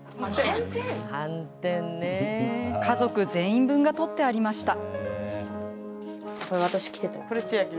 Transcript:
家族全員分が取ってありました。